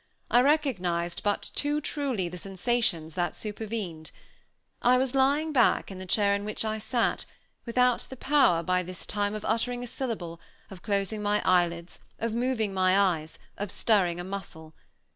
I recognized but too truly the sensations that supervened. I was lying back in the chair in which I sat, without the power, by this time, of uttering a syllable, of closing my eyelids, of moving my eyes, of stirring a muscle.